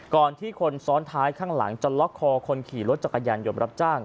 ก่อนที่คนซ้อนท้ายข้างหลังจะล็อกคอคนขี่รถจักรยานยนต์รับจ้าง